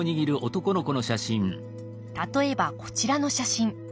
例えばこちらの写真。